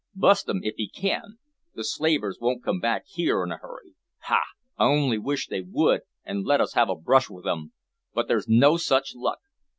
Bu'st 'em if 'ee can. The slavers won't come back here in a hurry. Ha! I only wish they would, an' let us have a brush with 'em. But there's no such luck.